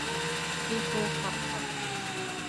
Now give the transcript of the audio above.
Ixooxapxat.